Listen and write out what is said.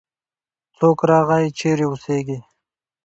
څوک راغی؟ چیرې اوسیږې؟